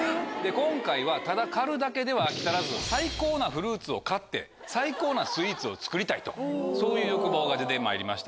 今回はただ狩るだけでは飽き足らず最高なフルーツを狩って最高なスイーツを作りたいとそういう欲望が出てまいりました。